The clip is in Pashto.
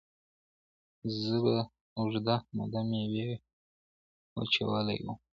زه به اوږده موده مېوې وچولي وم!.